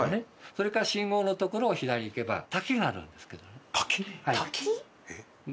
それから信号の所を左に行けば滝があるんですけどね。